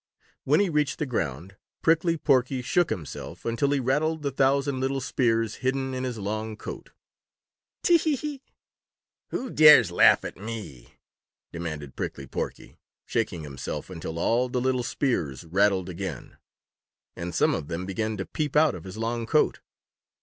When he reached the ground, Prickly Porky shook himself until he rattled the thousand little spears hidden in his long coat. "Tee hee hee!" "Who dares to laugh at me?" demanded Pricky Porky, shaking himself until all the little spears rattled again, and some of them began to peep out of his long coat.